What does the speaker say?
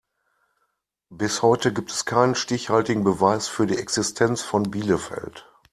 Bis heute gibt es keinen stichhaltigen Beweis für die Existenz von Bielefeld.